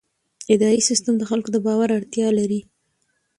اداري سیستم د خلکو د باور اړتیا لري.